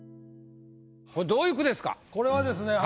これどういう句ですか？